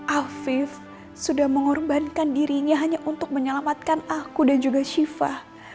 afif sudah mengorbankan dirinya hanya untuk menyelamatkan aku dan juga shiva